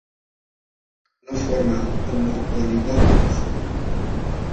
No forma homo-oligómeros.